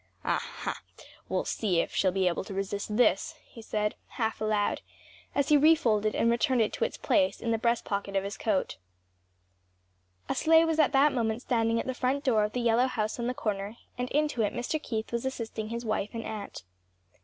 "Ah, ha! we'll see if she'll be able to resist this!" he said, half aloud, as he refolded and returned it to its place in the breast pocket of his coat. A sleigh was at that moment standing at the front door of the yellow house on the corner and into it Mr. Keith was assisting his wife and aunt.